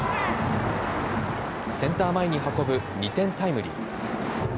センター前に運ぶ２点タイムリー。